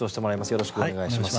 よろしくお願いします。